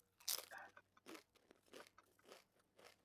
Hata katika hali ambazo usawa hutarajiwa ni vigumu kupata